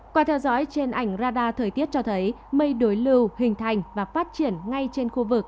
qua theo dõi trên ảnh radar thời tiết cho thấy mây đối lưu hình thành và phát triển ngay trên khu vực